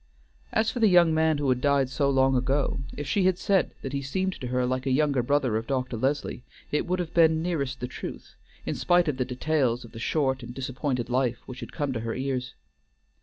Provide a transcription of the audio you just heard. As for the young man who had died so long ago, if she had said that he seemed to her like a younger brother of Dr. Leslie, it would have been nearest the truth, in spite of the details of the short and disappointed life which had come to her ears.